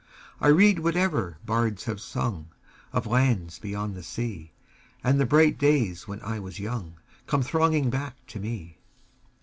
I read whatever bards have sung Of lands beyond the sea, 10 And the bright days when I was young Come thronging back to me.